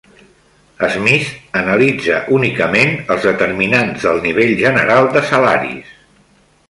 Smith analitzà únicament els determinants del nivell general de salaris.